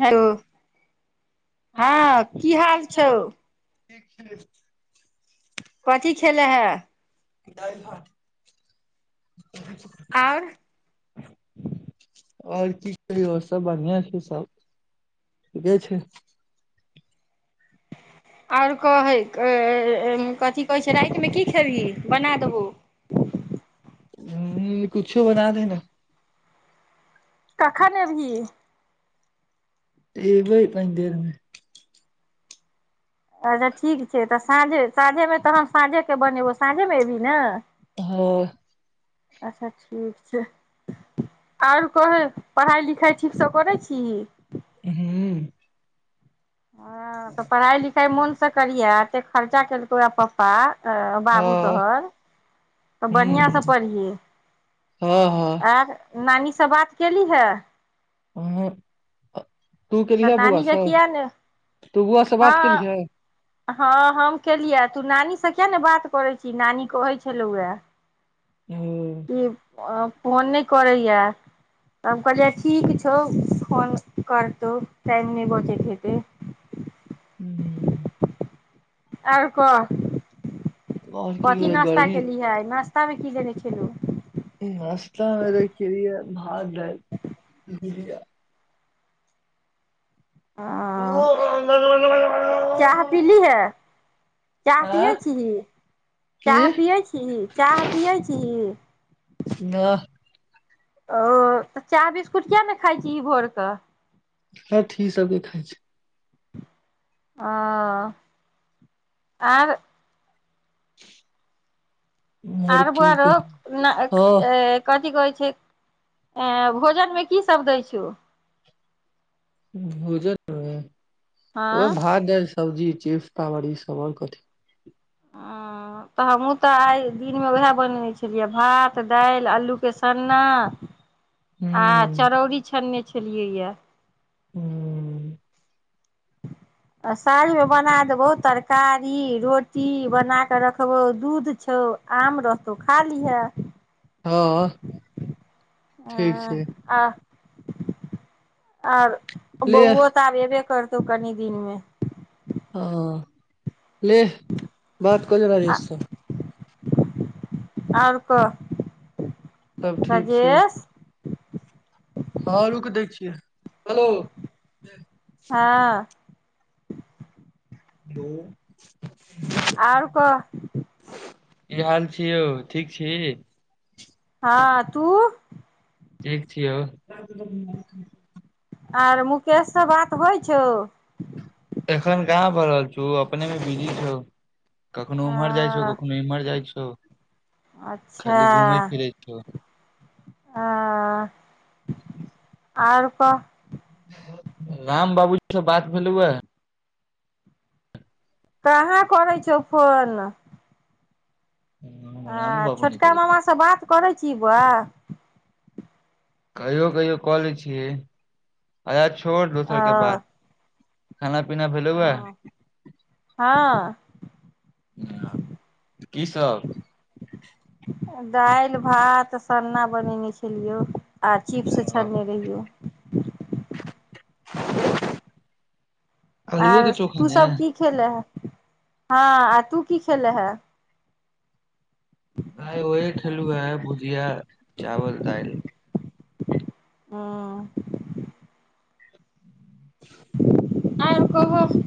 Hello हँ की हाल छौ ठीक छी कथी खेलां हैं दाईल भात आओर आओर की कहियो आर सब बढ़िआँ छै सब ठीके छै आओर कहै कथि कहै छै रातिमे की खेबही बना देबौ ह कुछो बना दीहीं ने कखन एभीहिं एबै कनि देर मे अच्छा ठीक छै तऽ साँझे साँझेमे तऽ हम साँझेके बनेबौ साँझेमे एभी न हाँ अच्छा ठीक छै आरो कह पढ़ाइ लिखाइ ठीकसँ करैय छिंही हँ हँ तऽ पढ़ाइ लिखाइ मोनसँ करि हैं एते खर्चा केलकौ यै पापा बाबू ह तोहर तऽ बढ़िआँ से हँ पढ़ियै हँ आर नानीसँ बात केलही ह [unintelligible] तू तऽ केलिहे बौआ नानी के से किया ने तू बुआ से बात केलि हँ है हँ हम केलियै तू नानीसँ कियै ने बात करैत छी ही नानी कहै छलौयै ह कि फोन नहि करैयै तब हम कहलियै ठीक छौ फोन करतौ टाइम नहि बचैत हेतै आओर कह और की कथी कहियो नाश्ता गर्मी केलही है नाश्तामे की जनै छै लोक नस्ता मे केलियै भात दालि भुजीया चाह पीलीहे [unintelligible] चाह पियै आँ छी ही की चाह पियै छी ही चाह पियै छी ही नह ओ तऽ चाह बिस्कुट किया ने खाइ छी ही भोर कऽ अथी सब जे खाइ छै ओ आर [unintelligible] उम्हर आर बौआ की रो कह हँ कथी कहै भोजनमे की सब दै छौ भोजन मे हँ उहे भात दाल सब्जी चिप्सता बड़ी आओर कथी ह तऽ हमहूँ तऽ आइ दिनमे उहै बनेने छलियै भात दालि आलूके सन्ना आ हूँ चरौरी छानने छी खेलियै यै हू आ साँझमे बना देबौ तरकारी रोटी बना कऽ रखबौ दूध छौ आम रहतौ खा लिहै हँ ठीक छै आ आर ले बौआ त आब एबेे कर एतौ कनि दिनमे ओ लेह बात कऽ ले राजेश से आओर कह सभ ठीक छै राजेश हँ रुक दै छियै हेलो हँ हू [inaudible] आओर कह की हाल छी यौ ठीक छी हँ तू ठीक छियौ आर मुकेशसँ बात होइ छौ एखन कहाँ भ रहल छौ अपने मे बिजी छौ कखनो उम्हर जाइ छौ कखनो इमहर जाइ छौ अच्छा खाली घूमै फिरै छौ ह आर कह राम बाबूजीसँ बात भेलहुए कहाँ करैय छौ फोन रामू आ बाबू नै छोटका करै छै मामा से बात करैय छी बौआ कहियो कहियो कऽ लै छियै अच्छा छोड़ अ दोसर के बात खाना पीना भेलौ आ हँ हँ कीसभ दालि भात सन्ना बनेने छलियौ आ चिप्स ह छन ने रहियौ आलुए के आर चोखा तू ने सब की खेलां हैं हँ आ तू की खेले हैं आइ ओह खेलू या भुजिया चावल दालि हँ [inaudible] आओर कहु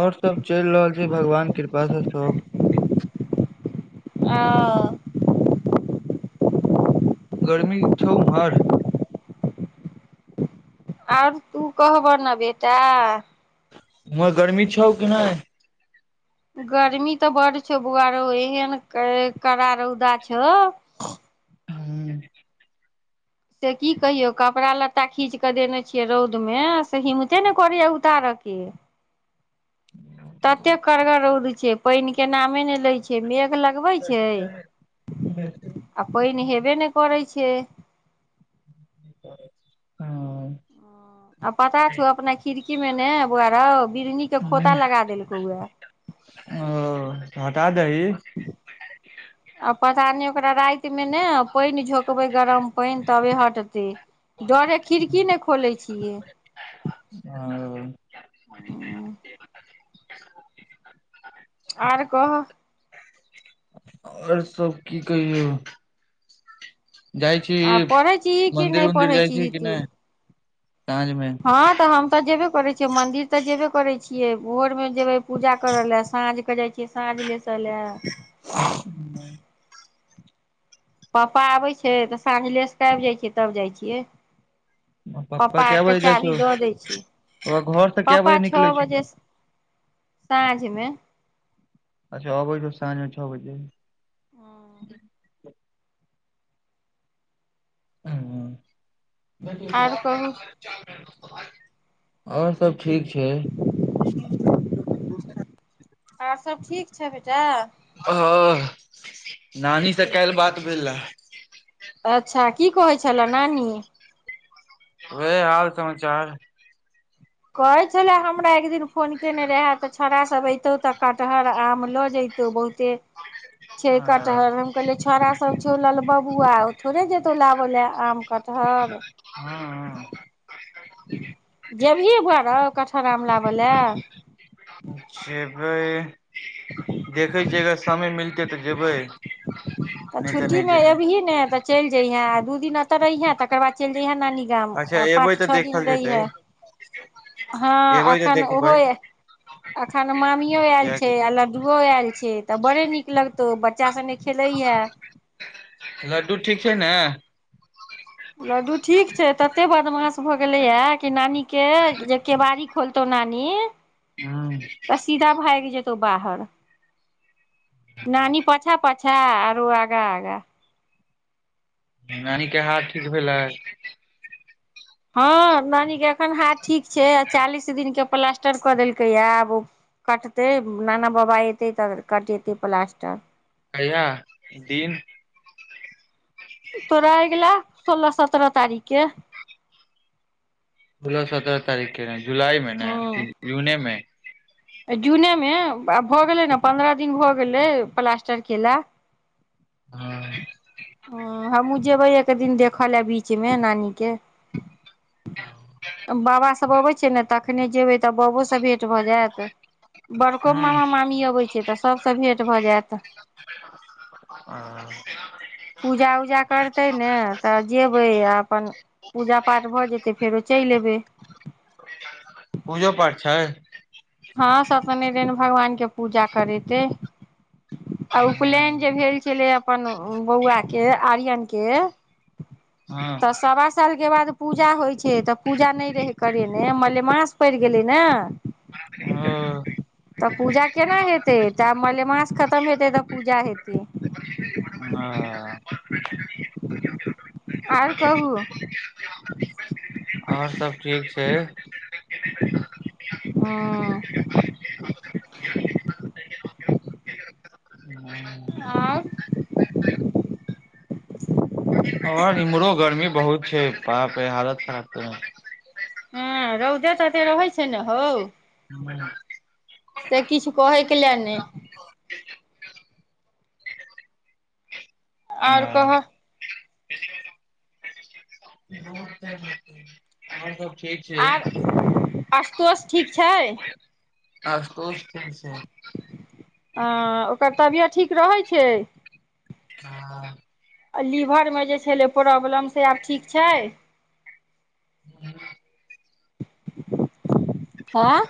आओर सभ चलि रहल छैय भगवान कृपासँ सब आ ओ गरमी छौ ओमहर आओर तू कहब ने बेटा उमहर गर्मी छौ कि नहि गर्मी तऽ बड़ छौ बौआ रो एहन करा रौदा छौ हँ से की कहियौ कपड़ा लत्ता खींच कऽ देने छियै रौदमे से हिमते ने करैय उतारयके तते कड़गर रौद छै पानि के नामे ने लै छै मेघ लगबै छैय आ कोय निहेबे नय करै छैय। के हँ आ पता छौ अपना खिड़की मे ने बौआ रौ बिड़नी के खोता लगा देलकौ या। ओ हटा दी आ पता नहि ओकरा राति मे ने पानि झो कबै गरम पानि तबे हटतै डरे खिड़की नहि खोले छियै। [unintelligible] आओर कह। आओर सब की कहियौ? जाइ छी आ पढ़ै छीही कि मंदिर नहि उंदिर पढ़ै जाइ छी छीही कि तू? नहि साँझ मे हँ तऽ हम त जेब क करै छियै मन्दिर तऽ जेबे करै छियै भोरमे जेबै पूजा करय लए साँझ कऽ जाइ छियै साँझ लेसय लए। [unintelligible] पापा आबैत छैय तऽ साँझ लेसँके आबि जाइत छीयै तब जाइत छियै। पप्पा कए पप्पाके बजे जाइ चाभी छौ दऽ दै छियै पप्पा घर से कए पप्पा बजे छओ निकलै छौ बजे साँझमे अच्छा अबै छव सााँझमे छओ बजे। [unintelligible] [unintelligible] उ आर कहू [unintelligible] आओर सब ठीक छैय। छैय बेटा? ह नानीसँ काल्लहि बात भेल रहा। अच्छा की कहै छलह नानी? उहे हाल समाचार। कहै छला हमरा एक दिन फोन केने रहा तऽ छौड़ासभ अयतहु तऽ कटहर आम लऽ जयतहु बहुते छैय कटहर कह कहलीयै छौड़ा सब छौ ललब पुआ ओ थोड़े जेतौ लाबऽ ले आम कटहर। हँ जेबिहे बउवा रौ कटहर आम लाबय ला? जेबय देखै छियै अगर समय मिलतय क तऽ जेबै तऽ नहि छुट्टी नहि मे जेबै अयबही ने त चलि जइहे आ दू दिन एते रहिहे तकर बाद चल जयहे नानी गाम अच्छा आ एबै पाँच तऽ छओ दिन देखल जेतै रहीहे। हँ एबै तऽ एखन ओहो देखबै एखन मामिओ आयल जायके छैय आ लड्डूओ आयल छैय तऽ बड़े नीक लगतै तौ ब लड्डू ठीक छैय ने? लड्डू ठीक छैय तते ब दमाास भऽ गेलै ह कि नानी के जे केबाड़ी ख खोलतौ नानी तऽ सीध भायग जैतव तव बाहर। नानी पछा प छा आरु आगा आगा। नानीके हार ठीक भेलै? हँ नानीके एखन हाथ ठीक छैय आ चालीस दिनके प्लास्टर कऽ देलकैए आब ओ कटतै नाना बाबा अयतै तऽ कटेतै प्लास्टर। कहीया दिन। तोरा अयगला सोलह सतरह तारिखके। सोलह सत्रह तारीख के। जुलाई मे ने की जूनेमे जूनेमे आब भऽ गेलै ने पन्द्रह दिन भऽ गेलै प्लास्टर केेला। हँ हां हमहु जेबै एक दिन देखऽ ल बीच मे नानी के। त बाबा सब अबै छैय ने तखने जेबै तऽ बबोसँ भेट भऽ जायत बड़को मामा मामी अबै छैय तऽ सभसँ भेट भऽ जायत। पूजा उजा करतै ने तऽ जेबै आ अपन पूजा पाठ भऽ जेतै फेरो चलि एबै। छैय हँ सतनि दिन भगवान के पूजा करेतय। आ उपनयन जे भेल छलै अपन बौआ के आर्यन के हँ तऽ सवा सालके बाद पूजा होइत छैय तऽ पूजा नहि रहै करेने मलेमास पड़ि गेलै ने। ओ तऽ पूजा केना हेतै तऽ आब मलेमास खतम हेतै तऽ पूजा हेतै। ह आर कहू [unintelligible] आओर सभ ठीक छै हँ [unintelligible] [unintelligible] आओर आओर इमहरो गर्मी बहुत छै बापा रे हालत खराब कयने हँ रौदे तते रहै छै ने हौ से किछु कहैके लए ने आओर कहय सब ठीक छै आर आशतोष ठीक छै आशुतोष ठीक छै हँ ओकर तबियत ठीक रहै छै हँ आ लीवरमे जे छलै प्रॉब्लम से आब ठीक छै [unintelligible] ऐं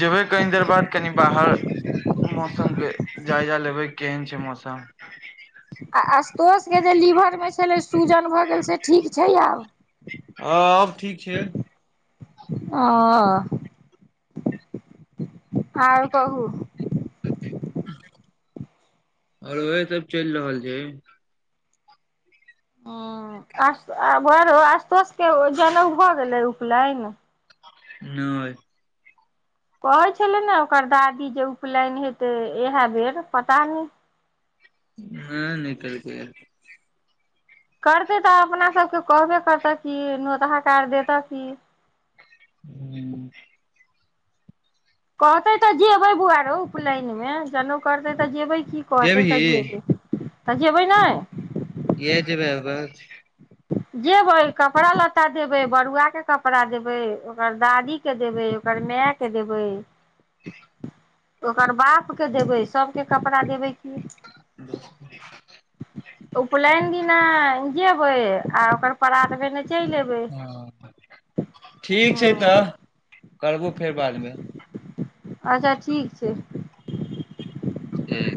जेबै कनी देर बाद कनि बाहर मौसमके जायजा लेबै केहन छै मौसम आ आशुतोषके जे लीवरमे छलै सूजन भऽ गेल से ठीक छै आब ह अब ठीक छै ओ आओर कहू आओर उहै सभ चलि रहल छै ह आ बौआरो आशुतोष के जनौउ भऽ गेलै उपनयन नहि कहै छलै ने ओकर दादी जे उपनयन हेतै इहै बेर पता नहि नहि नै कयलकै करतै तऽ अपना सभके कहबे करतह कि नोत हकार देतऽ कि हू कहते तऽ जेबै बौआरो उपनयन मे जनौअ करते तऽ जेबै की कहतै जेबही तऽ जयबै किया तऽ जेबै ने कियै जेबैं जेबै कपड़ा लत्ता देबै बड़ुआके कपड़ा देबै ओकर दादीके देबै ओकर मायके देबै ओकर बापके देबै सभके कपड़ा देबै की [unintelligible] उपलैन दिना जेबै आ ओकर परात भेने चलि एबै ह ठीक छै तऽ हँ करबौ फेर बादमे अच्छा ठीक छै ठीक